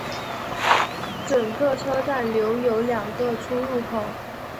整个车站留有两个出入口。